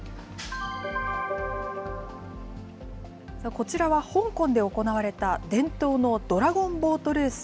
こちらは香港で行われた、伝統のドラゴンボートレース。